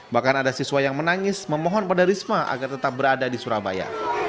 bahkan ada siswa yang menangis memohon pada risma agar tetap berada di surabaya